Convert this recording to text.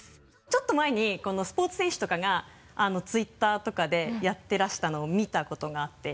ちょっと前にスポーツ選手とかがＴｗｉｔｔｅｒとかでやってらしたのを見たことがあって。